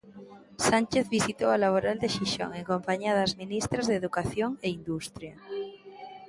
Sánchez visitou a Laboral de Xixón, en compañía das ministras de Educación e Industria.